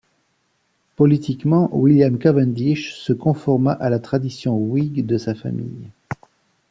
Politiquement, William Cavendish se conforma à la tradition whig de sa famille.